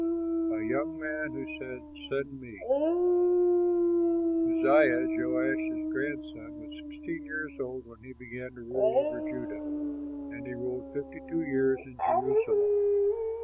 A YOUNG MAN WHO SAID, "SEND ME" Uzziah, Joash's grandson, was sixteen years old when he began to rule over Judah and he ruled fifty two years in Jerusalem.